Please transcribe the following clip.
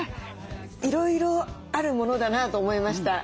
いろいろあるものだなと思いました。